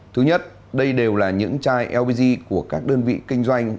thứ nhất đây đều là những chai lbg của các đơn vị kinh doanh